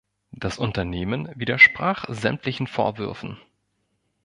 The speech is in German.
Das Unternehmen widersprach sämtlichen Vorwürfen.